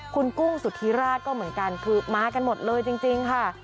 คุณกุ้งสุธิราชก็เหมือนกันคือมากันหมดเลยจริงค่ะ